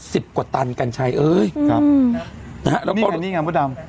สิบกว่าตันกันใช่เอ้ยครับนะฮะแล้วก็นี่ไงนี่ไงผู้ดำ